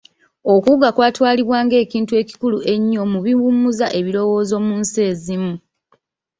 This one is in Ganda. Okuwuga kutwalibwa nga ekintu ekikulu ennyo mu biwummuza ebiriwoozo mu nsi ezimu.